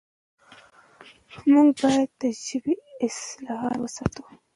موږ بايد د ژبې اصالت وساتو.